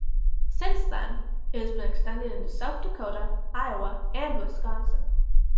Since then, it has been extended into South Dakota, Iowa, and Wisconsin.